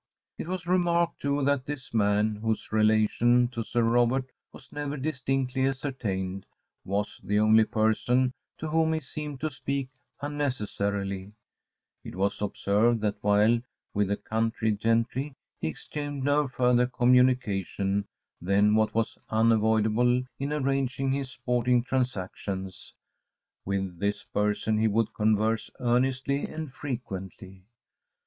It was remarked, too, that this man, whose relation to Sir Robert was never distinctly ascertained, was the only person to whom he seemed to speak unnecessarily; it was observed that while with the country gentry he exchanged no further communication than what was unavoidable in arranging his sporting transactions, with this person he would converse earnestly and frequently.